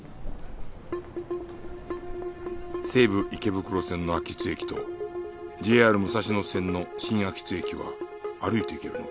西武池袋線の秋津駅と ＪＲ 武蔵野線の新秋津駅は歩いて行けるのか